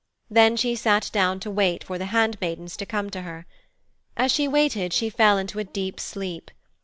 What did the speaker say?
Then she sat down to wait for the handmaidens to come to her. As she waited she fell into a deep sleep.